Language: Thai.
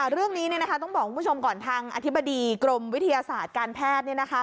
เรื่องนี้ต้องบอกคุณผู้ชมก่อนทางอธิบดีกรมวิทยาศาสตร์การแพทย์